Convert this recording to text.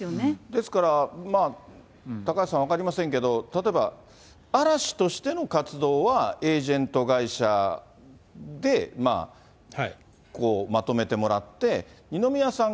ですから、高橋さん、分かりませんけれども、例えば嵐としての活動はエージェント会社でまとめてもらって、二宮さん